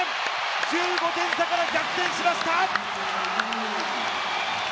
１５点差から逆転しました！